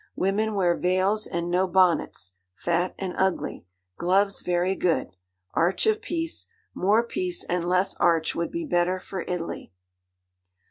Women wear veils and no bonnets, fat and ugly. Gloves very good. Arch of Peace. More peace and less arch would be better for Italy.